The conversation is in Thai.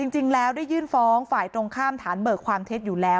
จริงแล้วได้ยื่นฟ้องฝ่ายตรงข้ามฐานเบิกความเท็จอยู่แล้ว